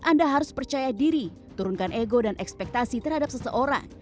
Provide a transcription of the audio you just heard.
anda harus percaya diri turunkan ego dan ekspektasi terhadap seseorang